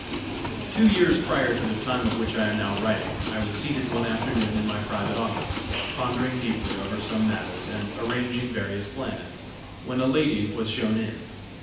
Two years prior to the time of which I am now writing, I was seated one afternoon in my private office, pondering deeply over some matters, and arranging various plans, when a lady was shown in.